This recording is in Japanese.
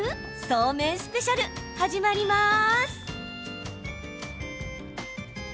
そうめんスペシャル始まります。